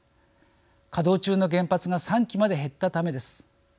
稼働中の原発が３基まで減ったためです。